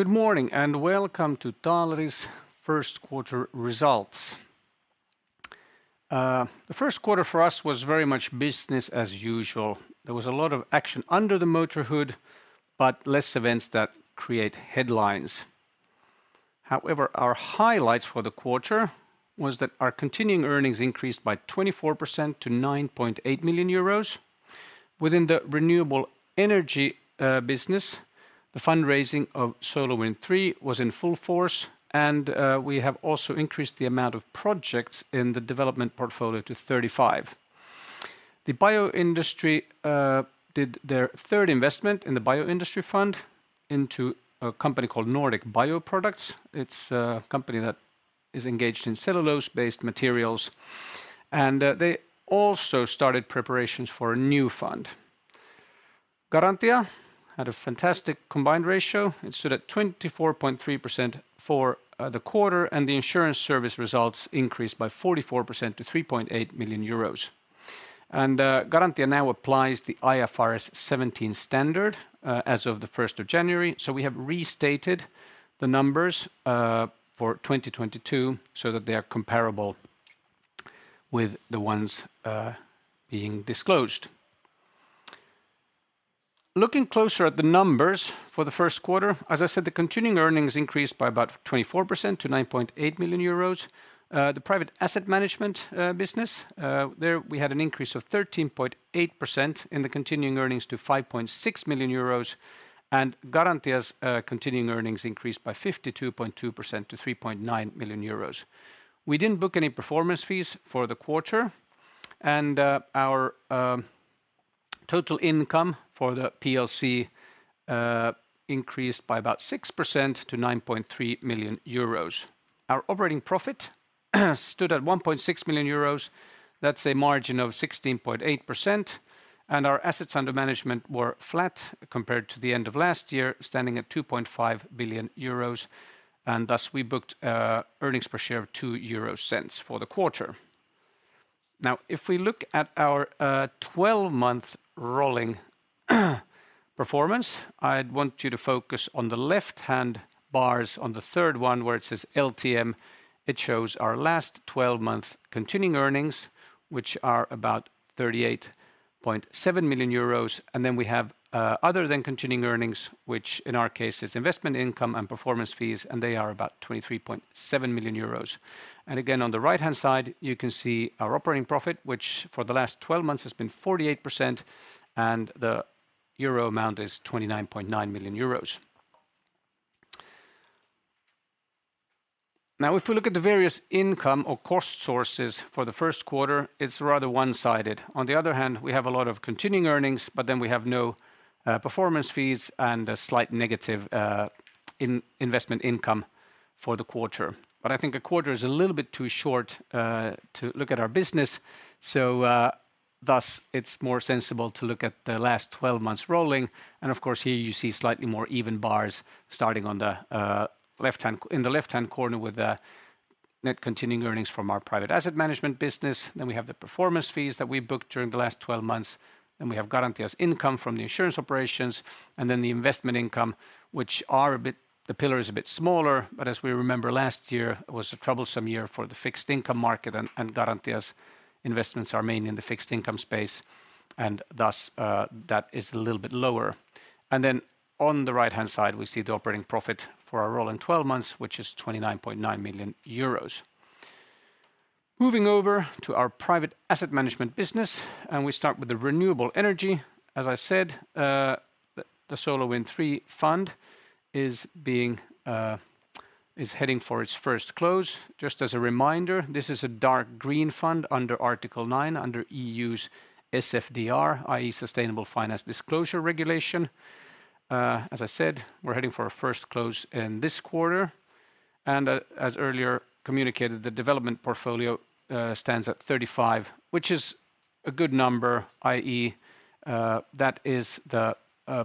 Good morning, welcome to Taaleri's first quarter results. The first quarter for us was very much business as usual. There was a lot of action under the motor hood, but less events that create headlines. However, our highlights for the quarter was that our continuing earnings increased by 24% to 9.8 million euros. Within the renewable energy business, the fundraising of SolarWind III was in full force, and we have also increased the amount of projects in the development portfolio to 35. The bioindustry did their third investment in the Bioindustry Fund into a company called Nordic Bioproducts. It's a company that is engaged in cellulose-based materials, and they also started preparations for a new fund. Garantia had a fantastic combined ratio. It stood at 24.3% for the quarter, and the insurance service results increased by 44% to 3.8 million euros. Garantia now applies the IFRS 17 standard as of the 1st of January, so we have restated the numbers for 2022 so that they are comparable with the ones being disclosed. Looking closer at the numbers for the 1st quarter, as I said, the continuing earnings increased by about 24% to 9.8 million euros. The private asset management business, there we had an increase of 13.8% in the continuing earnings to 5.6 million euros. Garantia's continuing earnings increased by 52.2% to 3.9 million euros. We didn't book any performance fees for the quarter, and our total income for the PLC increased by about 6% to 9.3 million euros. Our operating profit stood at 1.6 million euros. That's a margin of 16.8%. Our assets under management were flat compared to the end of last year, standing at 2.5 billion euros. Thus we booked earnings per share of 0.02 for the quarter. Now, if we look at our 12-month rolling performance, I'd want you to focus on the left-hand bars on the third one where it says LTM. It shows our last 12-month continuing earnings, which are about 38.7 million euros. We have other than continuing earnings, which in our case is investment income and performance fees, they are about 23.7 million euros. On the right-hand side, you can see our operating profit, which for the last 12 months has been 48%, and the euro amount is 29.9 million euros. We look at the various income or cost sources for Q1, it's rather one-sided. On the other hand, we have a lot of continuing earnings, we have no performance fees and a slight negative investment income for the quarter. A quarter is a little bit too short to look at our business. It's more sensible to look at the last 12 months rolling. Of course, here you see slightly more even bars starting in the left-hand corner with the net continuing earnings from our private asset management business. We have the performance fees that we booked during the last 12 months. We have Garantia's income from the insurance operations, and then the investment income. The pillar is a bit smaller, but as we remember, last year was a troublesome year for the fixed income market and Garantia's investments are mainly in the fixed income space and thus, that is a little bit lower. On the right-hand side, we see the operating profit for our role in 12 months, which is 29.9 million euros. Moving over to our private asset management business, we start with the renewable energy. As I said, the SolarWind III fund is heading for its first close. Just as a reminder, this is a dark green fund under Article 9, under EU's SFDR, i.e., Sustainable Finance Disclosure Regulation. As I said, we're heading for a first close in this quarter, as earlier communicated, the development portfolio stands at 35, which is a good number, i.e., that is the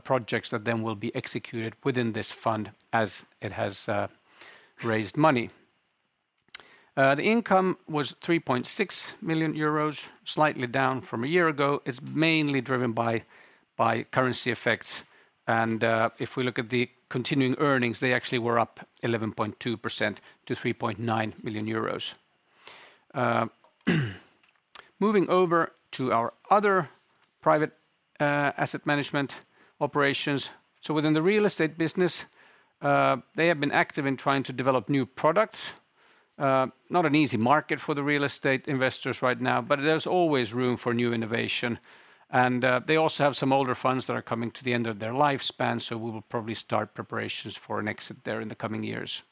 projects that then will be executed within this fund as it has raised money. The income was 3.6 million euros, slightly down from a year ago. It's mainly driven by currency effects. If we look at the continuing earnings, they actually were up 11.2% to 3.9 million euros. Moving over to our other private asset management operations. Within the real estate business, they have been active in trying to develop new products. Not an easy market for the real estate investors right now, but there's always room for new innovation. They also have some older funds that are coming to the end of their lifespan, we will probably start preparations for an exit there in the coming years.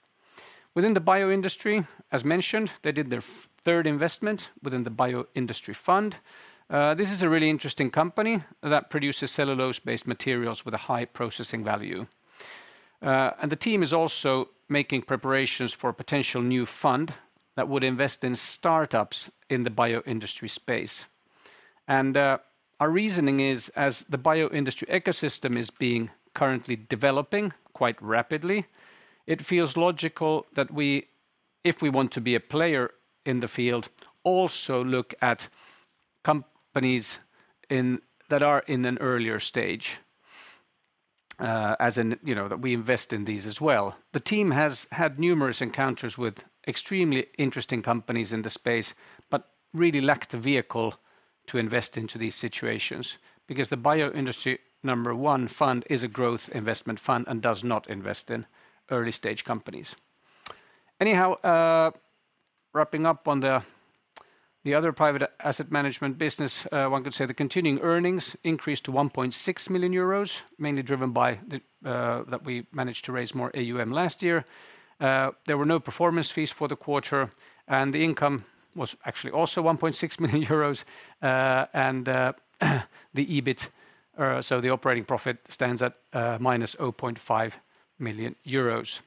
Within the bioindustry, as mentioned, they did their third investment within the Bioindustry fund. This is a really interesting company that produces cellulose-based materials with a high processing value. The team is also making preparations for a potential new fund that would invest in startups in the bioindustry space. Our reasoning is, as the bioindustry ecosystem is being currently developing quite rapidly, it feels logical that we want to be a player in the field, also look at companies in... that are in an earlier stage, as in, you know, that we invest in these as well. The team has had numerous encounters with extremely interesting companies in the space, but really lacked a vehicle to invest into these situations because the Bioindustry Number One Fund is a growth investment fund and does not invest in early-stage companies. Wrapping up on the other private asset management business, one could say the continuing earnings increased to 1.6 million euros, mainly driven by the, that we managed to raise more AUM last year. There were no performance fees for the quarter, and the income was actually also 1.6 million euros, and the EBIT, so the operating profit stands at minus 0.5 million euros.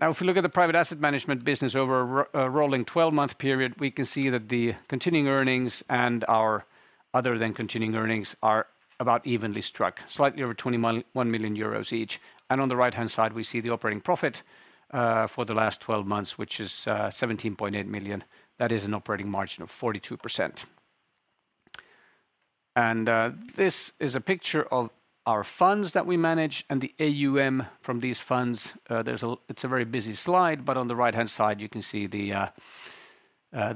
If you look at the private asset management business over a rolling 12-month period, we can see that the continuing earnings and our other than continuing earnings are about evenly struck, slightly over 21 million euros each. On the right-hand side, we see the operating profit for the last 12 months, which is 17.8 million. That is an operating margin of 42%. This is a picture of our funds that we manage and the AUM from these funds. There's a... It's a very busy slide, but on the right-hand side, you can see the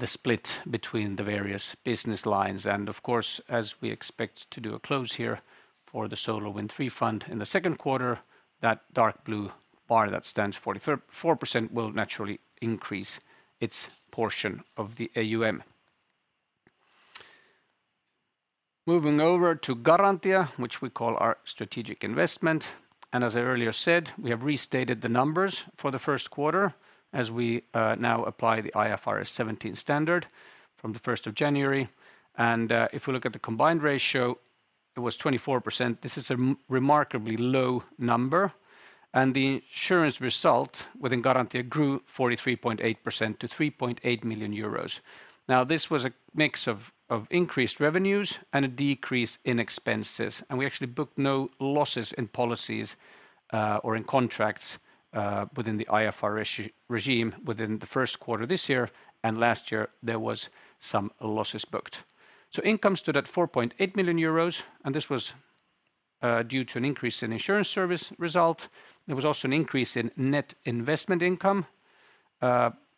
split between the various business lines. Of course, as we expect to do a close here for the SolarWind III fund in Q2, that dark blue bar that stands 4% will naturally increase its portion of the AUM. Moving over to Garantia, which we call our strategic investment, and as I earlier said, we have restated the numbers for Q1 as we now apply the IFRS 17 standard from the 1st of January. If we look at the combined ratio, it was 24%. This is a remarkably low number, and the insurance result within Garantia grew 43.8% to 3.8 million euros. This was a mix of increased revenues and a decrease in expenses, we actually booked no losses in policies or in contracts within the IFRS regime within the first quarter this year. Last year there was some losses booked. Income stood at 4.8 million euros, and this was due to an increase in insurance service result. There was also an increase in net investment income.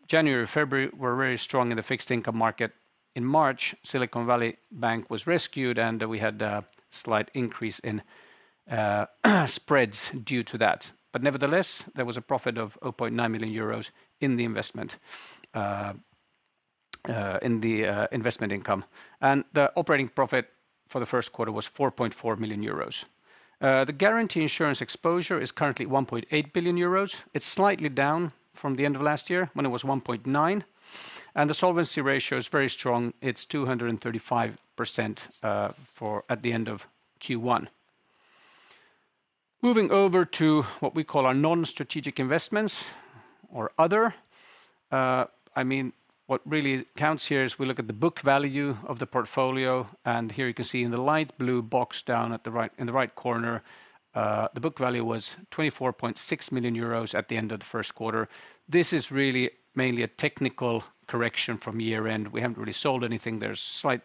January, February were very strong in the fixed income market. In March, Silicon Valley Bank was rescued, we had a slight increase in spreads due to that. Nevertheless, there was a profit of 0.9 million euros in the investment income. The operating profit for the first quarter was 4.4 million euros. The guarantee insurance exposure is currently 1.8 billion euros. It's slightly down from the end of last year when it was 1.9 billion. The solvency ratio is very strong. It's 235% for at the end of Q1. Moving over to what we call our non-strategic investments or other, I mean, what really counts here is we look at the book value of the portfolio, and here you can see in the light blue box down in the right corner, the book value was 24.6 million euros at the end of the first quarter. This is really mainly a technical correction from year-end. We haven't really sold anything. There's slight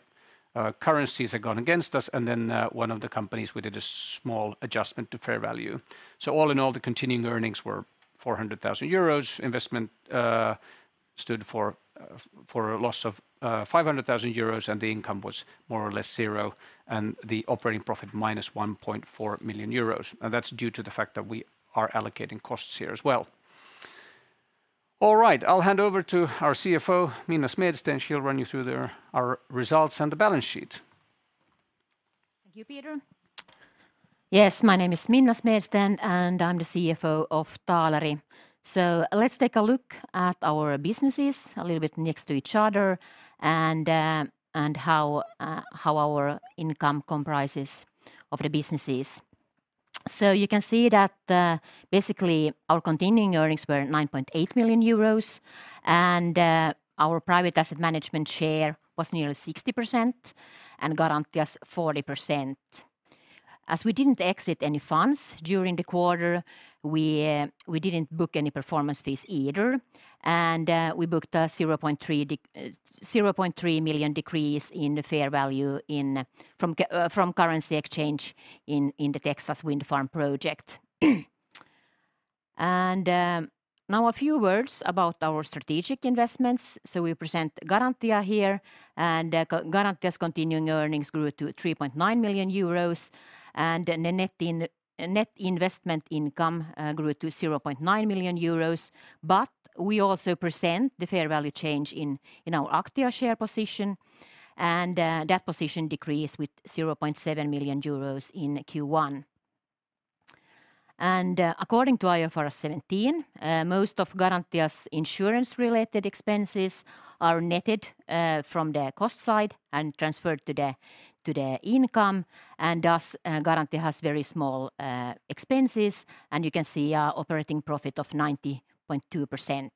currencies that gone against us, and then, one of the companies we did a small adjustment to fair value. All in all, the continuing earnings were 400,000 euros. Investment stood for a loss of 500,000 euros, and the income was more or less zero, and the operating profit -1.4 million euros. That's due to the fact that we are allocating costs here as well. All right, I'll hand over to our CFO, Minna Smedsten. She'll run you through our results and the balance sheet. Thank you, Peter. My name is Minna Smedsten, and I'm the CFO of Taaleri. Let's take a look at our businesses a little bit next to each other and how our income comprises of the businesses. You can see that, basically, our continuing earnings were 9.8 million euros, and our private asset management share was nearly 60% and Garantia's 40%. As we didn't exit any funds during the quarter, we didn't book any performance fees either, and we booked a $0.3 million decrease in the fair value from currency exchange in the Texas wind farm project. Now a few words about our strategic investments. We present Garantia here, and Garantia's continuing earnings grew to 3.9 million euros, and the net investment income grew to 0.9 million euros. We also present the fair value change in our Aktia share position, and that position decreased with 0.7 million euros in Q1. According to IFRS 17, most of Garantia's insurance-related expenses are netted from the cost side and transferred to the income, and thus, Garantia has very small expenses, and you can see our operating profit of 90.2%.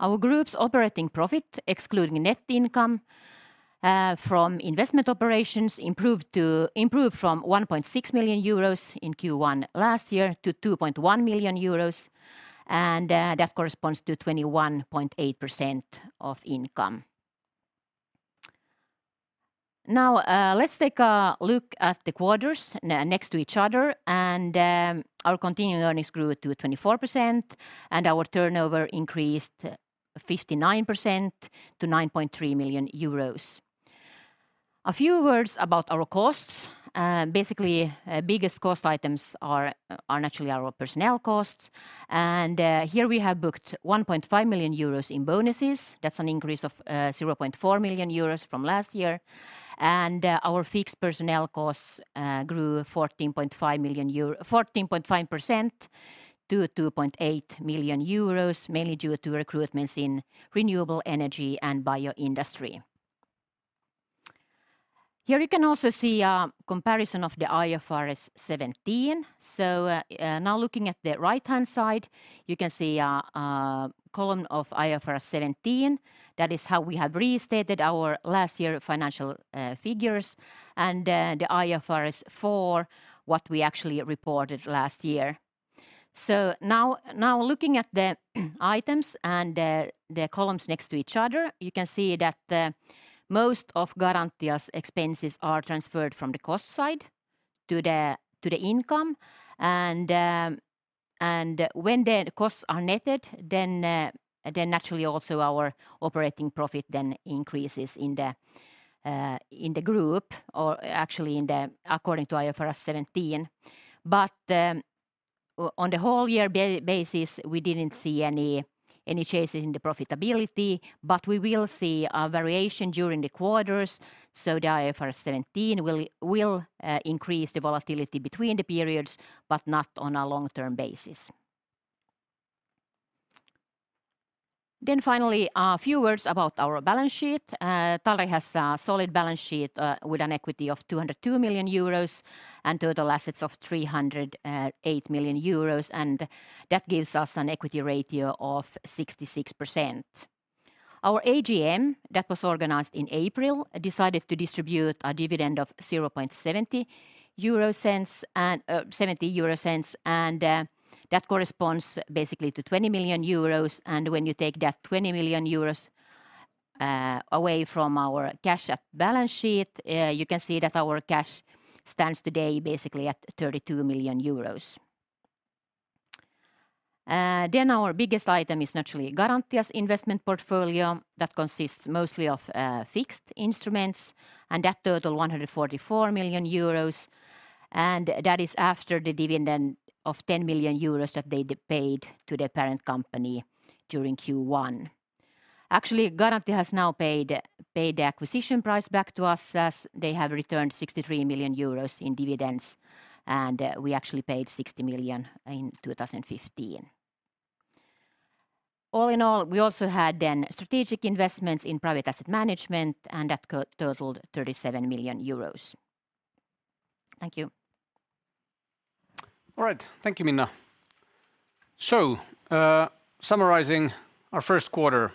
Our group's operating profit excluding net income from investment operations improved from 1.6 million euros in Q1 last year to 2.1 million euros, and that corresponds to 21.8% of income. Let's take a look at the quarters next to each other. Our continuing earnings grew to 24%, our turnover increased 59% to 9.3 million euros. A few words about our costs. Basically our biggest cost items are naturally our personnel costs. Here we have booked 1.5 million euros in bonuses. That's an increase of 0.4 million euros from last year. Our fixed personnel costs grew 14.5% to 2.8 million euros, mainly due to recruitments in renewable energy and Bioindustry. Here you can also see a comparison of the IFRS 17. Looking at the right-hand side, you can see a column of IFRS 17. That is how we have restated our last year financial figures, the IFRS 4 what we actually reported last year. Now looking at the items and the columns next to each other, you can see that most of Garantia's expenses are transferred from the cost side to the income. When the costs are netted, then naturally also our operating profit then increases in the group or actually in the according to IFRS 17. On the whole year basis, we didn't see any changes in the profitability, but we will see a variation during the quarters, so the IFRS 17 will increase the volatility between the periods but not on a long-term basis. Finally, a few words about our balance sheet. Taaleri has a solid balance sheet with an equity of 202 million euros and total assets of 308 million euros, and that gives us an equity ratio of 66%. Our AGM that was organized in April decided to distribute a dividend of 0.70, and that corresponds basically to 20 million euros. When you take that 20 million euros away from our cash balance sheet, you can see that our cash stands today basically at 32 million euros. Our biggest item is naturally Garantia's investment portfolio that consists mostly of fixed instruments, and that total 144 million euros, and that is after the dividend of 10 million euros that they paid to their parent company during Q1. Actually, Garantia has now paid the acquisition price back to us as they have returned 63 million euros in dividends, and we actually paid 60 million in 2015. All in all, we also had then strategic investments in private asset management, and that totaled 37 million euros. Thank you. All right. Thank you, Minna. Summarizing our first quarter,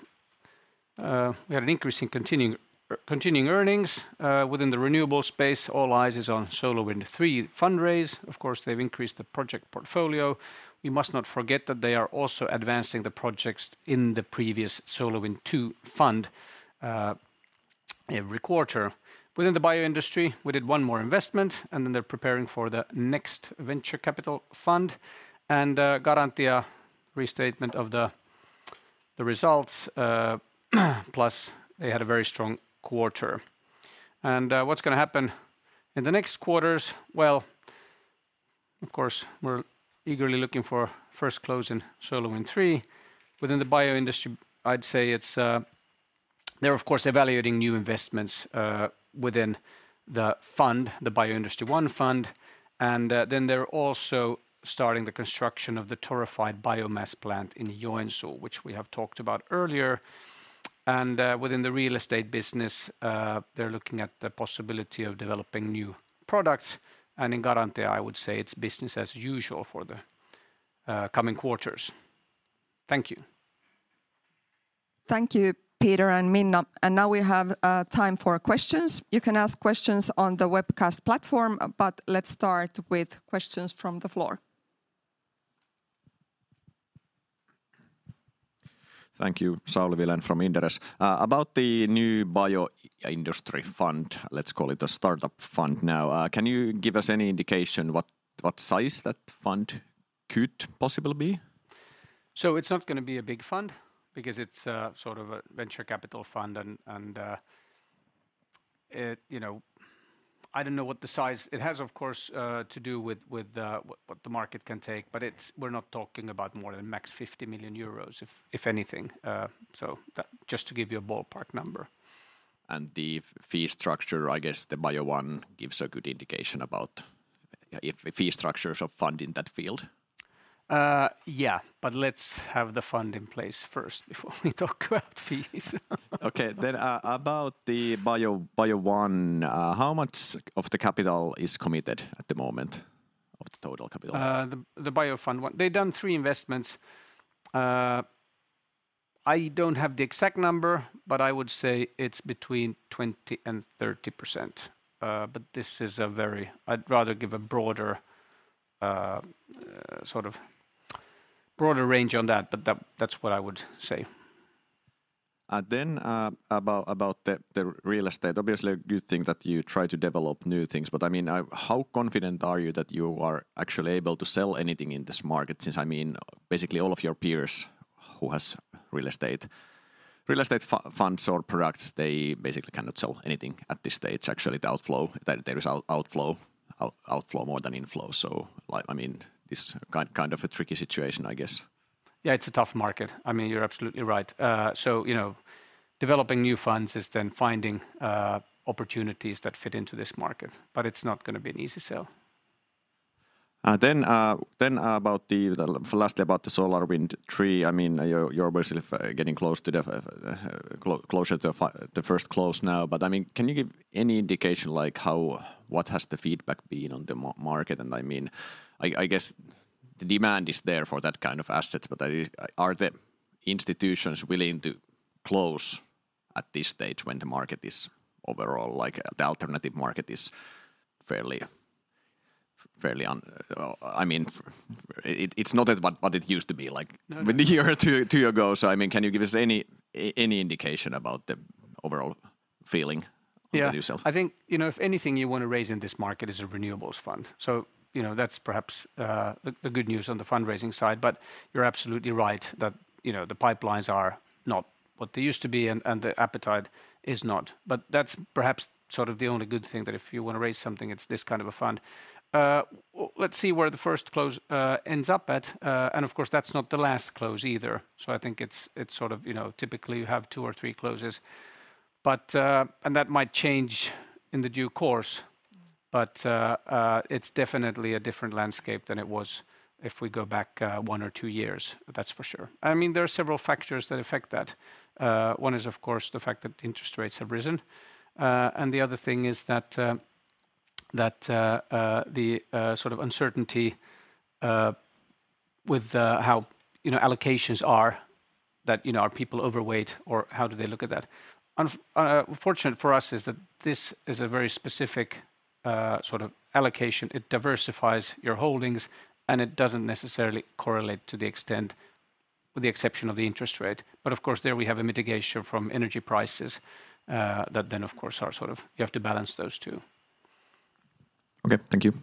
we had an increase in continuing earnings. Within the renewable space, all eyes is on SolarWind III fundraise. Of course, they've increased the project portfolio. We must not forget that they are also advancing the projects in the previous SolarWind II fund every quarter. Within the bio-industry, we did one more investment, they're preparing for the next venture capital fund. Garantia restatement of the results, plus they had a very strong quarter. What's gonna happen in the next quarters? Well, of course, we're eagerly looking for first close in SolarWind III. Within the bio-industry, I'd say it's... They're of course evaluating new investments within the fund, the Bioindustry I fund. Then they're also starting the construction of the torrefied biomass plant in Joensuu, which we have talked about earlier. Within the real estate business, they're looking at the possibility of developing new products. In Garantia, I would say it's business as usual for the coming quarters. Thank you. Thank you, Peter and Minna. Now we have time for questions. You can ask questions on the webcast platform, but let's start with questions from the floor. Thank you, Sauli Vilén from Inderes. About the new bioindustry fund, let's call it a startup fund now, can you give us any indication what size that fund could possibly be? It's not gonna be a big fund because it's sort of a venture capital fund and, you know, I don't know what the size. It has, of course, to do with what the market can take, but we're not talking about more than max 50 million euros if anything. So that just to give you a ballpark number. The fee structure, I guess the Bioindustry I gives a good indication about if fee structures of fund in that field? Yeah, let's have the fund in place first before we talk about fees. Okay. about the Bioindustry I, how much of the capital is committed at the moment? The Bio Fund One. They've done three investments. I don't have the exact number, but I would say it's between 20% and 30%. This is a very... I'd rather give a broader, sort of broader range on that, but that's what I would say. About the real estate. Obviously you think that you try to develop new things, I mean, how confident are you that you are actually able to sell anything in this market since, I mean, basically all of your peers who has real estate, real estate funds or products, they basically cannot sell anything at this stage? Actually the outflow. There is outflow more than inflow, I mean this kind of a tricky situation, I guess. Yeah, it's a tough market. I mean, you're absolutely right. You know, developing new funds is then finding opportunities that fit into this market, but it's not gonna be an easy sell. Lastly about the SolarWind III, I mean, you're basically getting closer to the first close now. Can you give any indication like how what has the feedback been on the market? I guess the demand is there for that kind of assets, but are the institutions willing to close at this stage when the market is overall... Like the alternative market is fairly, I mean, it's not as what it used to be like- No... with a year or two year ago. I mean, can you give us any indication about the overall feeling? Yeah on the new sales? I think, you know, if anything you want to raise in this market is a renewables fund, so you know, that's perhaps the good news on the fundraising side, but you're absolutely right that, you know, the pipelines are not what they used to be and the appetite is not. That's perhaps sort of the only good thing that if you want to raise something, it's this kind of a fund. Let's see where the first close ends up at. Of course that's not the last close either, so I think it's sort of, you know, typically you have two or three closes. That might change in the due course, but it's definitely a different landscape than it was if we go back one or two years. That's for sure. I mean, there are several factors that affect that. One is of course the fact that interest rates have risen. The other thing is that, the sort of uncertainty with how, you know, allocations are that, you know, are people overweight or how do they look at that? Fortunate for us is that this is a very specific, sort of allocation. It diversifies your holdings and it doesn't necessarily correlate to the extent with the exception of the interest rate. Of course there we have a mitigation from energy prices, that then of course are sort of. You have to balance those two. Okay. Thank you.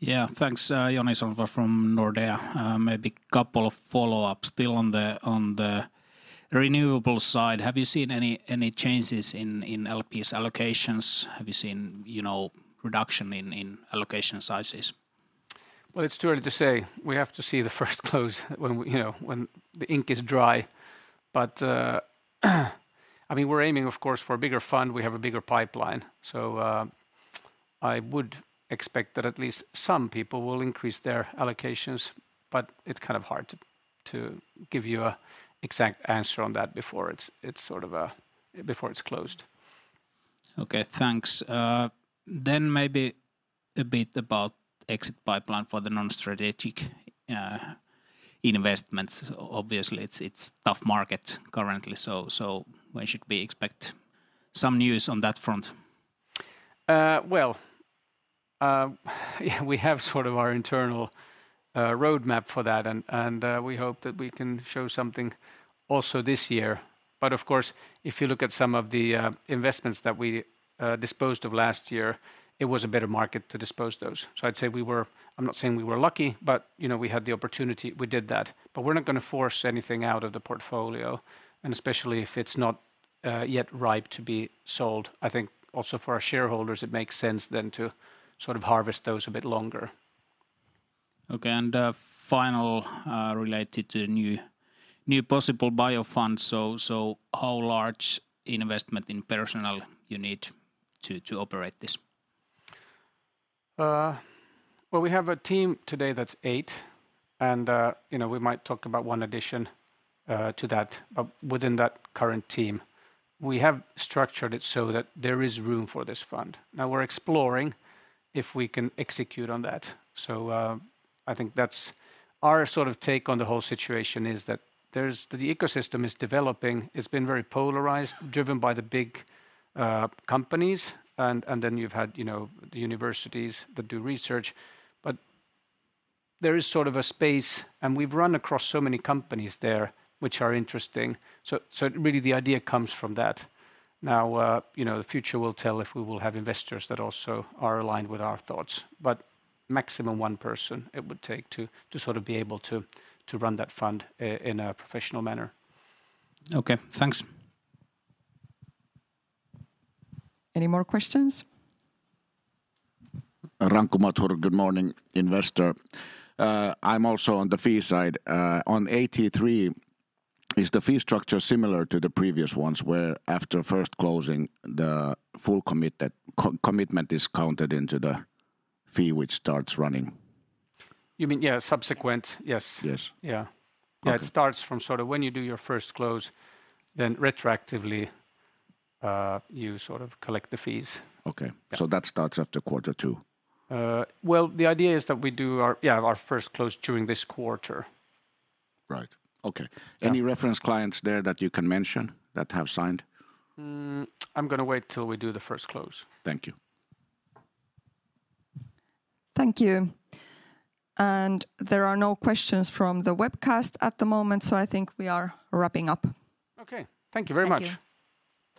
Yeah. Thanks, Joni Sandvall from Nordea. Maybe couple of follow-ups still on the, on the renewable side. Have you seen any changes in LPs allocations? Have you seen, you know, reduction in allocation sizes? It's too early to say. We have to see the first close when You know, when the ink is dry. I mean, we're aiming of course for a bigger fund. We have a bigger pipeline. I would expect that at least some people will increase their allocations, but it's kind of hard to give you a exact answer on that before it's sort of Before it's closed. Okay. Thanks. Maybe a bit about exit pipeline for the non-strategic investments. Obviously it's tough market currently, so when should we expect some news on that front? We have sort of our internal roadmap for that and we hope that we can show something also this year. Of course if you look at some of the investments that we disposed of last year, it was a better market to dispose those. I'd say I'm not saying we were lucky, but you know, we had the opportunity. We did that. We're not gonna force anything out of the portfolio, and especially if it's not yet ripe to be sold. I think also for our shareholders it makes sense then to sort of harvest those a bit longer. Okay. Final, related to new possible bio funds, so how large investment in personnel you need to operate this? Well, we have a team today that's eight and, you know, we might talk about one addition to that within that current team. We have structured it so that there is room for this fund. We're exploring if we can execute on that. I think that's our sort of take on the whole situation is that the ecosystem is developing. It's been very polarized, driven by the big companies and then you've had, you know, the universities that do research. There is sort of a space and we've run across so many companies there which are interesting. Really the idea comes from that. You know, the future will tell if we will have investors that also are aligned with our thoughts. Maximum one person it would take to sort of be able to run that fund in a professional manner. Okay. Thanks. Any more questions? Rauno Mattur. Good morning. Investor. I'm also on the fee side. On 83, is the fee structure similar to the previous ones where after first closing the full commit that co-commitment is counted into the fee which starts running? You mean, yeah, subsequent. Yes. Yes. Yeah. Okay. Yeah, it starts from sort of when you do your first close, then retroactively, you sort of collect the fees. Okay. Yeah. That starts after quarter two? Well, the idea is that we do our, yeah, our first close during this quarter. Right. Okay. Yeah. Any reference clients there that you can mention that have signed? I'm gonna wait till we do the first close. Thank you. Thank you. There are no questions from the webcast at the moment, so I think we are wrapping up. Okay. Thank you very much.